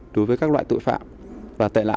đối với các loại tội phạm và tệ lạ